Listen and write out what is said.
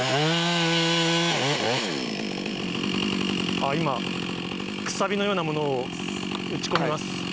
あ、今、くさびのようなものを打ち込みます。